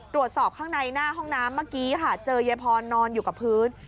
ตรวจสอบข้างในหน้าห้องน้ำเมื่อกี้ค่ะเจอยายพรนอนอยู่กับพื้น